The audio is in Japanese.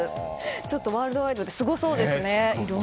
ちょっとワールドワイドですごそうですね。